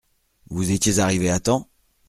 Vous étiez arrivé à temps ?